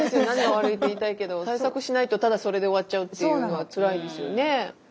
「何が悪い」って言いたいけど対策しないとただそれで終わっちゃうっていうのはつらいですよね。